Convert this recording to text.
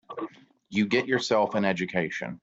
You get yourself an education.